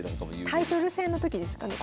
タイトル戦の時ですかね